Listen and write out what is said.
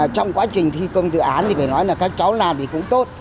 trong quá trình thi công dự án thì phải nói là các cháu làm thì cũng tốt